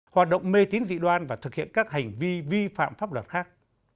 hoạt động mê tín dị đoan và thực hiện các hành vi vi phạm pháp luật khác